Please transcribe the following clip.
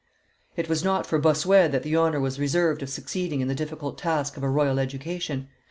It was not for Bossuet that the honor was reserved of succeeding in the difficult task of a royal education.